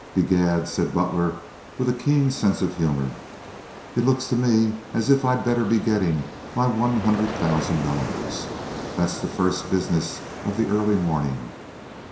"Begad," said Buler, with a keen sense of humor, "it looks to me as if I'd better be gettin' in my one hundred thousand dollars. That's the first business of the early mornin'."